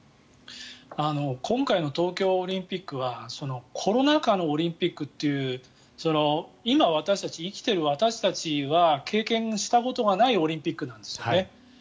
今回の東京オリンピックはコロナ禍のオリンピックという今、生きている私たちは経験したことがないオリンピックなんですよね。